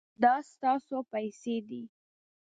دا ستاسو پیسې دي